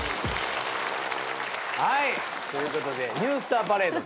はいということでニュースターパレード。